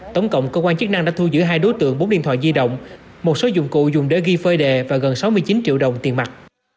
tổng cộng cơ quan chức năng đã thu giữ hai đối tượng bốn điện thoại di động một số dụng cụ dùng để ghi phơi đề và gần sáu mươi chín triệu đồng tiền mặt